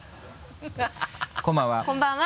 こんばんは。